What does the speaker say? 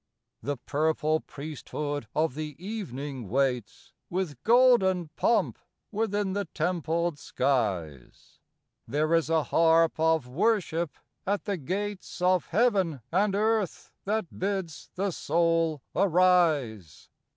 III The purple priesthood of the evening waits With golden pomp within the templed skies; There is a harp of worship at the gates Of heaven and earth that bids the soul arise.